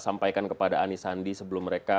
sampaikan kepada anisandi sebelum mereka